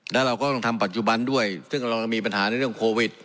แล้วเราก็ต้องทำปัจจุบันด้วยซึ่งกำลังมีปัญหาในเรื่องโควิด